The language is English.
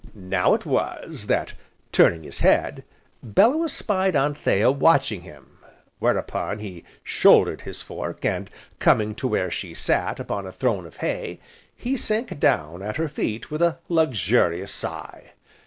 Now it was, that turning his head, Bellew espied Anthea watching him, whereupon he shouldered his fork, and coming to where she sat upon a throne of hay, he sank down at her feet with a luxurious sigh.